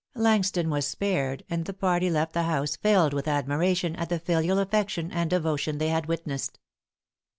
Langston was spared.; and the party left the house filled with admiration at the filial affection and devotion they had witnessed.